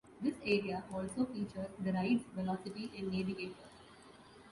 This area also features the rides Velocity and Navigator.